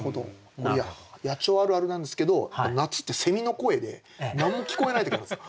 野鳥あるあるなんですけど夏ってセミの声で何も聞こえない時があるんですよ。